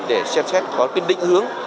để xem xét có quyết định hướng